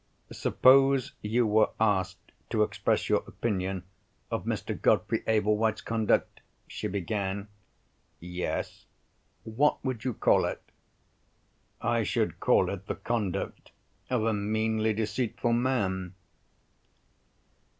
"Suppose you were asked to express your opinion of Mr. Godfrey Ablewhite's conduct?" she began. "Yes?" "What would you call it?" "I should call it the conduct of a meanly deceitful man."